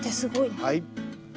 はい。